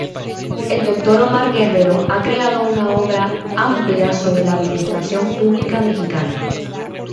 El Doctor Omar Guerrero ha creado una obra amplia sobre la administración pública mexicana.